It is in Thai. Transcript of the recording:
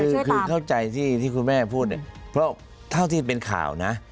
คือเข้าใจที่คุณแม่พูดเนี่ยเพราะเท่าที่เป็นข่าวนะ